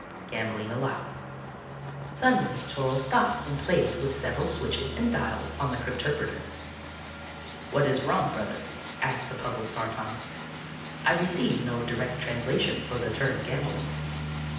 (Gambling allowed) Suddenly Toryl stopped and played with several switches and dials on the crypterpreter. "What is wrong, Brother?" asked the puzzled Sartan. "_I receive no direct translation for the term 'gambling'.